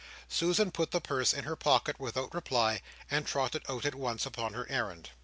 Susan put the purse in her pocket without reply, and trotted out at once upon her errand.